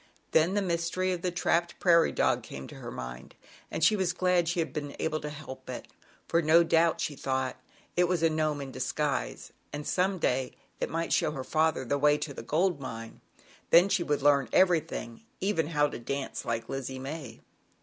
Then the mystery of the trapped prairie dog came to her mind and she was glad she had been able to help it, for no doubt, she thought, it was a Gnome in 66 ZAUBERLINDA, THE WISE WITCH. disguise, and some day it might show her father the way to the gold mine, and then she would learn everything even how to dance, like Lizzie May.